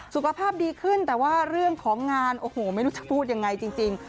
สุขภาพดีขึ้นแต่ว่าเรื่องของงานโอ้โหไม่รู้จะพูดยังไงจริง